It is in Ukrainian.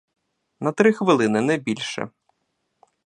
На три хвилини, не більше.